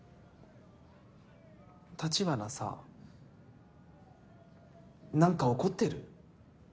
橘さ何か怒ってる？